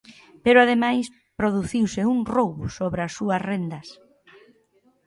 Pero, ademais, produciuse un roubo sobre as súas rendas.